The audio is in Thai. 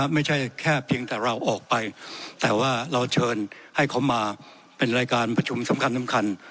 ไม่ใช่แค่เพียงแต่เราออกไปแต่ว่าเราเชิญให้เขามาเป็นรายการประชุมสำคัญ